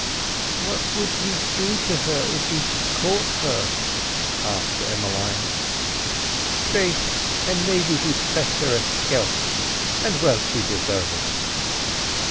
"What would he do to her if he caught her?" asked Emmeline. "Faith, an' maybe he'd fetch her a skelp—an' well she'd desarve it."